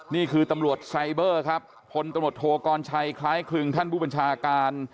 นี่คือตำรวจไซเบอร์ครับพลตำรวจโทกรชัยคล้ายคลึงท่านผู้บัญชาการ